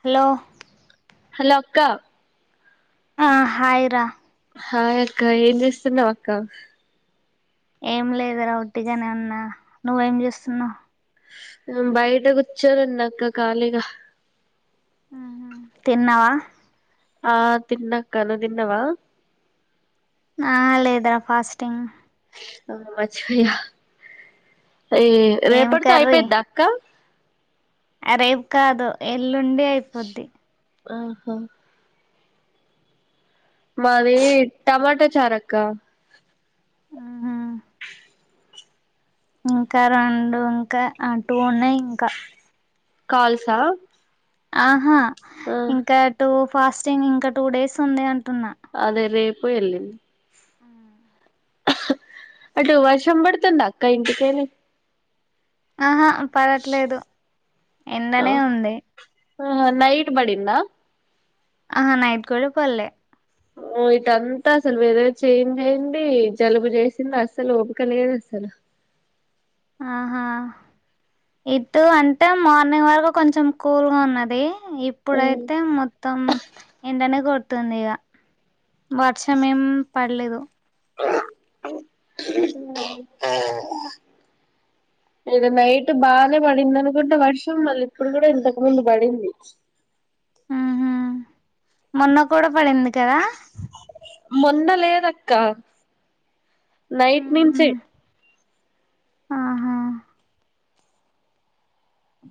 hello hello అక్క ఆ hi రా హాయ్ అక్క ఏం చేస్తున్నావు అక్క ఏం లేదురా ఒట్టిగానే ఉన్నా నువ్వేం చేస్తున్నావు, బయట కూచ్చా ఉన్నా అక్క ఖాళీగా అ హ తిన్నావా ఆ తిన్నాక్కను తిన్నవా నా అ లేేదరా ఫాస్టింగ్ మర్చిపోయా అ ఏం రేపటితో అయిపోయిద్దా అక్క అ రేపు కాదు ఎల్లుండి అయిపోద్ది ఆహా మాది టమాటా చారక్క ఆహా ఇంకా రెండు ఇంకా అ టూ ఉన్నాయి ఇంకా కాల్ సా ఆహా ఇంకా టూ ఫాస్టింగ్ ఇంకా టూ డేస్ ఉంది అం అదే రేపు ఎల్లిండి ఆ అటు వర్షం పడుతుంది అక్క ఇంటికెళ్ళి ఆహా పడట్లేదు ఆ, ఎండనే ఉంది నైట్ బడింద ఆహా నైట్ కూడా పడలే ఓ ఇటంతా అసలు వేరే చేయి అయింది జలుబు చేసింది అసలు పకలిదు అసలు ఆహా ఇటు అంటే మార్నింగ్ వరకు కొంచెం కూల్గా ఉన్నది ఇప్పుడైతే మొత్తం ఏండనే గోట్ తుంది ఇక వర్షం ఏం పడలేదు ఆ ఇద నైట్ బానే పడింది అనుకుంటే వర్షం మళ్ళీ ఇప్పుడు కూడా ఇంతకు ముందు పడింది ఉహ మొన్న కూడా పడింది కదా మొన్న లేదక్క నైట్ ఉహు నుంచె ఆహా అ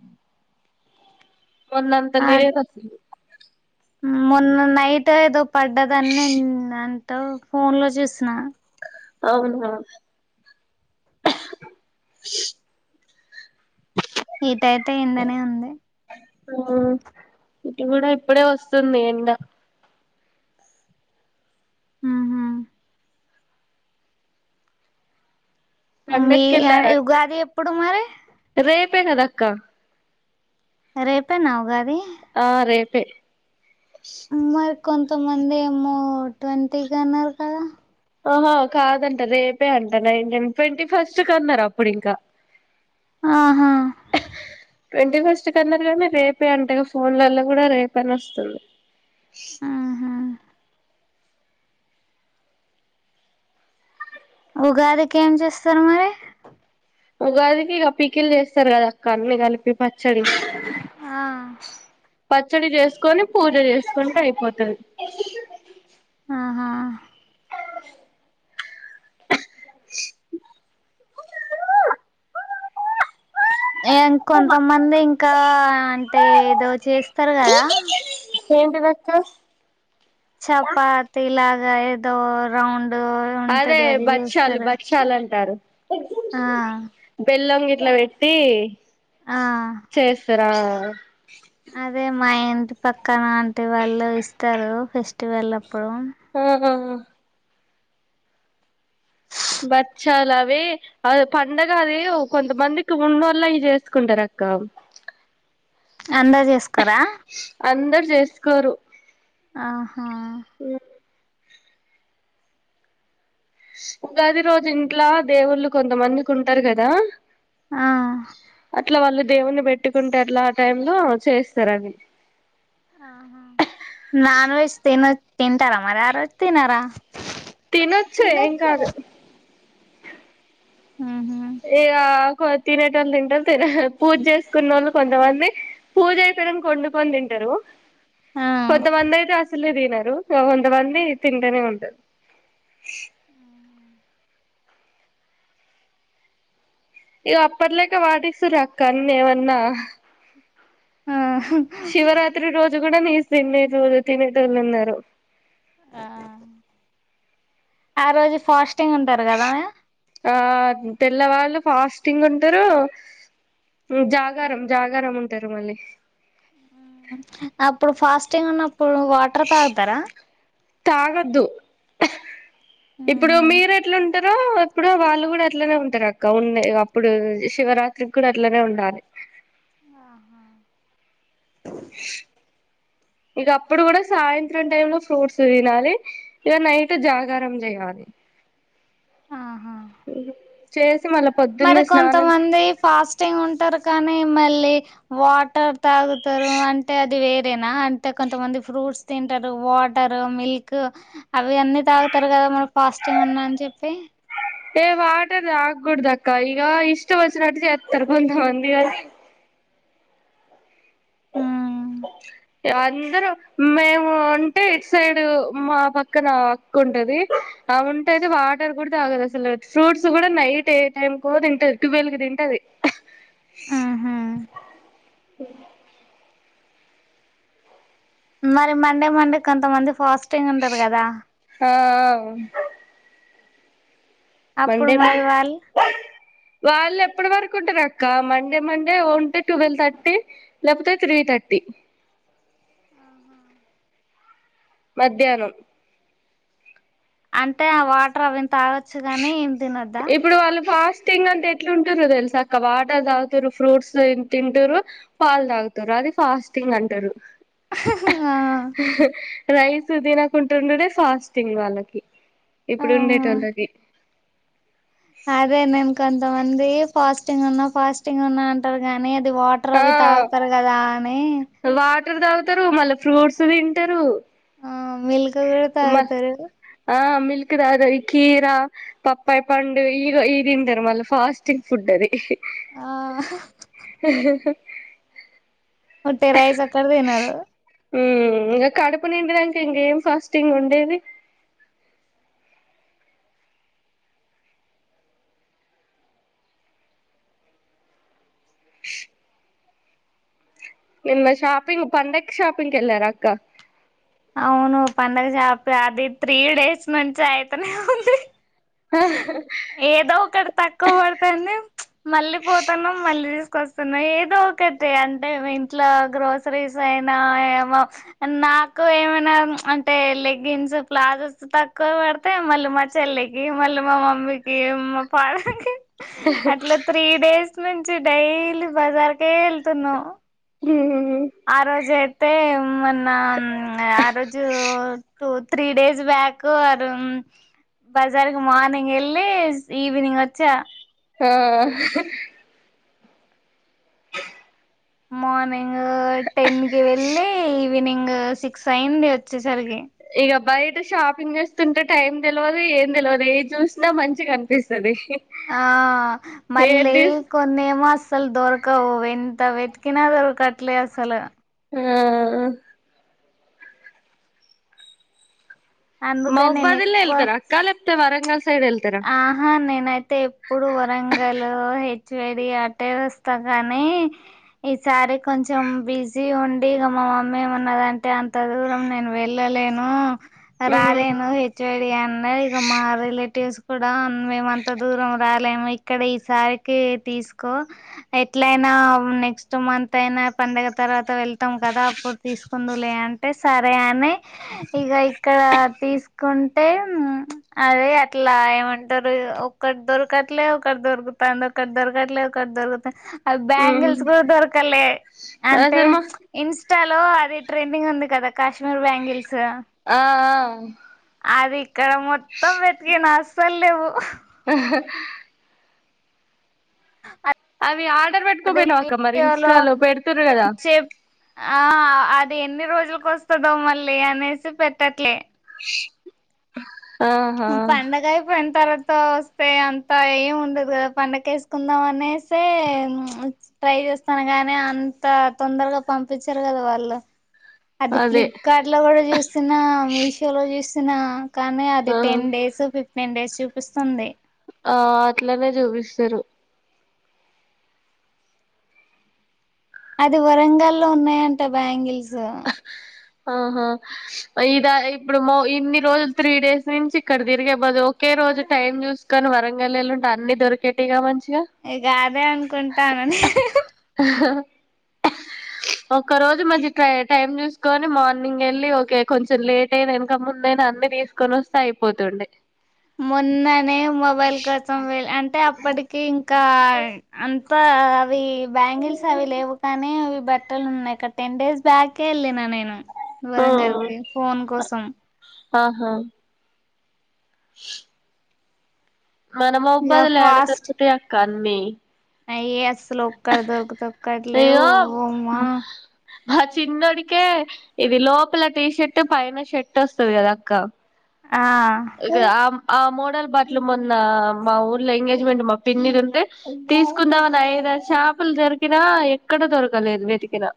మొన్న అంత ఆ లేదు అసలు మొన్న నైట్ ఏదో పడ్డదని నిన్ ఆన్ ఫోన్ లో చూసిన అవును ఈటయితే ఏండనే ఉంది మ్మ్ ఇటు గూడా ఇప్పుడే వస్తుంది ఎండ ఊ ఊ మీ పండక్కెళ్ళారా ఉగాది ఎప్పుడు మరి రేపే కద అక్క రేపే నా ఉగాది ఆ రేపే మరి కొంతమంది ఏమో ట్వంటీగా అన్నారు కదా ఆహా కాదంట రేపే అంట నైన్టీన్ ట్వంటీ ఫస్ట్ కన్నారు అప్పుడు ఇంక ఆహా ట్వంటీ ఫస్ట్ కన్నారు కానీ రేపే అంటగా ఫోన్లలో కూడా రేపు అనే వస్తుంది ఆహా ఉగాదికి ఏం చేస్తారు మరి ఉగాదికి ఇక పికిల్ చేస్తారు కదా అక్క అన్నీ కలిపి పచ్చడి ఆ పచ్చడి చేసుకొని పూజ చేసుకుంటే అయిపోతది ఆహా ఇంకొంతమంది ఇంకా అంటే ఏదో చేస్తారు కదా ఏంటిదక్క చపాతీ లాగా ఏదో రౌండ్ దో అదే ఉంటది అది బచ్చాలు చేస్తార బచ్చాలు అంటారు ఆ బెల్లం గిట్లా వెట్టి ఆ ఆ అదే మా ఇంటి పక్కన అంటి వాళ్ళు ఇస్తారు ఫెస్టివల్ అప్పుడు మ్ హు బచ్చాలవి అ పండగ అది కొంతమందికి ఉన్నోళ్ళయ్ జేసుకుంటారు అ కామ్ అందర్ జేసుకోరా అందర్ జేసుకోరు ఆహా మ్మ్ గది రోజు ఇంట్లా దేవుళ్ళు కొంతమంది కుంటారు గదా ఆ ఇంట్లో వాళ్ళు దేవుని పెట్టుకుంటే అట్లా ఆ టైం లో చేస్తారు అవి ఆహా నాన్ వెజ్ తిన తింటారా మరి ఆ రోజు తినరా తినొచ్చే ఏం తినొచ్చు కాదు ఆహా ఇగ కొ తినేటోళ్ళు తింటరు తినే పూజ జేసుకున్న వోళ్ళు కొంతమంది పూజ త్సరం వండుకొని తింటరు ఆ కొంతమంది అయితే అస్సలే దినరు ఒ కొంతమంది తింటనే ఉంటారు ఇగ అప్పట్లేక పాటిస్తురక్క అన్ని ఏవన్నా ఆ శివరాత్రి రోజు కూడా నీసు తినేరోజు తినేటోళ్ళు ఉన్నారు ఆ ఆ రోజు ఫాస్టింగ్ ఉంటారు కదా ఆ తెల్లవాళ్ళు ఫాస్టింగ్ ఉంటరు జాగరం జాగరం ఉంటారు మళ్ళీ అప్పుడు ఫాస్టింగ్ ఉన్నప్ తాగద్దు ఇప్పుడు మీరు ఎట్లా ఉ తరో ఎప్పుడో వాళ్ళు కూడా అట్లనే ఉంటారక్క ఉన్నాయి ఇగ అప్పుడు శివరాత్రికి కూడా అట్లనే ఉండాలి అ ఆహా ఇగ అప్పుడు కూడా సాయంత్రం టైం లో ఫ్రూట్స్ దినాలి ఇగ నైట్ జాగారం చేయాలి ఆహా చేస్ మరి కొంతమంది ఫాస్టింగ్ ఉంటారు కానీ మళ్ళీ వాటర్ తాగుతారు అంటే అది వేర్ అంతేనా అంటే కొంతమంది ఫ్రూట్స్ తింటారు వాటర్ మిల్క్ అవి అన్నీ తాగుతారు కదా మన ఫాస్ట్ంగ్ ఉన్నా అని చెప్పి ఏ వాటర్ తాగకూడదు అక్క ఇగ ఇష్ట వచ్చనట్టు చేత్తర్ కొంత మంది అందరం మేము అంటే ఇటు సైడ్ మా పక్కన అక్క ఉంటది ఆమె ఉంటయితే వాటర్ కూడా తాగదు అసలు ఫ్రూట్స్ కూడా నైట్ ఏ టైమ్ కు తింటది టువేల్ కి తింటది ఆహా ఉ మరి మండే మండే కొంతమంది ఫాస్టింగ్ ఉంటారు కదా ఆ అప్పుడు మండే రోజు మరి వాళ్ళు వాళ్ళు ఎప్పటి వరకు ఉంటారు అక్క మండే మండే ఉంటే ట్వెల్వ్ థర్టీ లేకపోతే త్రీ థర్టీ అ ఆహా మధ్యాహ్నం అంటే ఆ వాటర్ అవి తాగోచ్చు గాని ఏం తినద్దా తి అంత ఎట్లు ఉంటురు అద తెలిసక్క వాటర్ తాగుతారు ఫ్రూట్స్ తింటురురు పాల్ తాగుతారు అ అది ఫాస్టింగ్ అంటారు ఆ రైస్ తినకుంట ఉండుడే ఫాస్టింగ్ వాళ్ళకి ఆ ఇప్పుడు ఉండేటళ్ళకి అదే నేను కొంతమంది ఫాస్టింగ్ ఉన్నా ఫాస్టింగ్ ఉన్నా అంటారు కాగానీ అది వాటర్ ఆ అవి తాగుతారు కదా అని వాట్రూ తాగుతారు మళ్ళా ఫ్రూట్స్ తింటారు ఆ మిల్క్ కూడా మ తాగుతారు ఆ మిల్క్ తగావి కీరా పప్పాయ పండు ఇగ ఈ తింటారు మళ్ళీ ఫాస్టింగ్ ఫుడ్ అది ఆ ఆహ్ ఉట్టి రైస్ ఒకటి తినరు ఇంకా కడుపు నిండినంక ఇంకేం ఫాస్టింగ్ ఉండేది నిన్న షాపింగ్ పండకి షాపింగ్ క వెళ్ళార అక్క అవును పండుగ షాపి అది త్రీ డేస్ నుంచి అయితేనే ఉంది ఏదో ఒకటి తక్కువ పడుతంది మళ్ళీ పోతున్నా మళ్ళీ వస్తున్నా ఏదో ఒకటి అంటే ఇంట్లో గ్రోసరీస్ అయినా ఏమో నా ఎక్కువ ఏమైనా అంటే లెగ్గిన్స్ ప్లాజోస్ తక్కువ పడితే మళ్ళీ మా చెల్లె కి మళ్ళ ఇంట్ల మా మమ్మికి మా ఫాదర్ కి అట్లా త్రీ డేస్ నుంచి డైలీ బజార్కే వెళ్తున్నాం హ అతే మన్న ఆ రోజు త్రీ డేస్ బ్యాక్ ఆ బజార్కి మార్నింగ్ వెళ్ళి ఈవినింగ్ వచ్చా ఆ మార్నింగ్ టెన్ కి వెళ్ళి ఈ ఈవినింగ్ సిక్స్ అయింది వచ్చేసరికి ఇక బయట షాపింగ్ చేస్తుంటే టైం తెలివదు ఏం తెలివదు ఏ చూసినా మంచి కనిపిస్తది ఆ మళ్ళీ తీస్ కొన్ని ఏమో అసల్ దొరకవు ఎంత వెతుకినా దొరుకట్లే అసల ఆ అందుకని నేను మౌబాదిల్ ఎక్కువ వెళ్తే రా అక్క లేపోతే వరంగ ఆహా నేనైతే ఎప్పుడు వరంగల్ చేడి అట్టే వస్తా కానీ ఈసారి కొంచెం బిజీ ఉండి ఇక మా మమ్మీ ఏమన్నదంటే అంత దూరం నేను వెళ్ళలేను రాలేను హెచ్చు వెడి అన్న ఇ మా రిలేటివ్స్ కూడా మేము అంత దూరం రాలేము ఇక్కడ ఈసారికి తీసుకో ఎట్లయినా నెక్స్ట్ మంత్ అయినా పండగ తర్వాత వెళ్తాం కదా అప్పుడు తీసుకుందు లే అంటే సరే అని ఇక ఇక్కడ తీసుకుంటే అదే అట్లా ఏ అంటారు ఒక్కటి దొరకట్లే ఒకక్కటి దొరుకుతా అంద ఒకక్కటి దొరకట్లేదు ఒకక్కటి దొరుకుతా అది బ్యాంగిల్స్ కూడా దొరకాల అంటే అసలు మా ఇన్స్ ఇన్‌స్టాలో అది ట్రెండింగ్‌లో ఉంది కదా కాశ్మీర్ బ్యాంగిల్స్ ఆ ఆ క్కడ మొత్తం వెతికి నా అసలు లేవు అవి ఆర్డర్ అది పెట్టుకోపోయినావాక్క మరి వీడియోలో ఇంస్టాలో పెడుతున్నారు కదా చెప్ ఆ అది ఎన్ని రోజులలకు వస్తదో మళ్ళీ అనేసి పెట్టట్లే ఆహా ఉమ్ పాండగా అయిపోని తరవాత వస్తే అంత ఉండదు కదా పండగ వేసుకుందాం అనేసి ట్రై చేస్తాను గానీ అంత తొందరగా పంపించారు కదా వాళ్ళు అది అదే ఫ్లిప్కార్ట్ లో కూడా చూసిన మీషో లో చూసిన కానీ అది ఆ టెన్ డేస్ ఫిఫ్టీన్ డేస్ చూపిస్తుంది ఆ అట్లనే చూపిస్తారు అది వరంగల్లో ఉన్నాయంట బ్యాంగిల్స్ ఆహా ఇదా ఇప్పుడు మ ఇన్ని రోజులు త్రీ డేస్ నుంచి ఇక్కడ తిరిగే బది ఒకే రోజు టైమ్ చూసుకని వరంగల్లుంటే అన్ని దొరికేటిటుగా మంచి ఇ కాదే అనుకుంటానని ఓకా రోజు మంచ టైమ్ చుసుకోని తీసుకొని మార్నింగ్ వెళ్ళి ఓకే కొంచెం లేట్ అయినా ఇనక ముందైనా అన్ని తీసుకొని వస్తే అయిపోతుండంది మొన్ననే మొబైల్ కోసం వెళ్ అంటే అప్పటికి ఇంకా అ ఇప్ప అవి బ్యాంగిల్స్ అవి లేవు కానీ అవి బ ఇక్కడ టెన్ డేస్ బ్యాకే వెళ్ళిన నేను ఆ వరన్గళికి ఫోన్ చేసాను ఆహా మనమ ఇక అబ్బాదిలుడ ఫాస్ట్ తరుకుతే అక అన్నీ అయ్యే అసలు ఒక్కడ దొరుకుత ఒక్కట్లే ఉమ్మా ఆ చిన్నడికే ఇది లోపల టీ షర్ట్ పైన షర్ట్ వస్తుది కదా అక్క ఆ ఇగ ఆ ఆ మోడల బాట్లు మొన్న మా ఊర్లో ఎంగేజ్మెంట్ మా పిన్ని ఉంటే తీసుకుందామని ఐ షపులు దొరికినా ఎక్కడ దొరికినా వెతికినా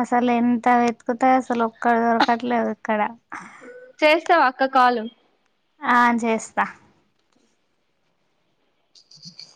అసలు ఎంత వెతుకుతాయ అసలు ఒక్కడ దొరకట్లేదు ఇక్కడ పక్క కాలం ఆ చేస్తా ఓకే